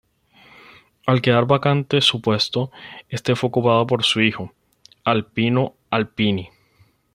Al quedar vacante su puesto, este fue ocupado por su hijo, Alpino Alpini.